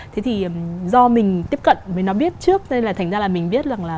thế thì do mình tiếp cận với nó biết trước nên là thành ra là mình biết rằng là